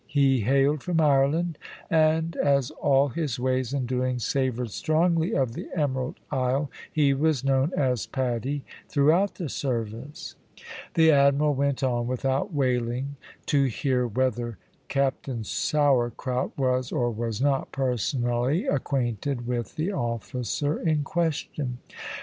He hailed from Ireland, and as all his ways and doings savoured strongly of the Emerald Isle, he was known as Paddy throughout the service." The Admiral went on, without wailing to hear whether Captain Sourcrout was or was not personally acquainted with the officer in question.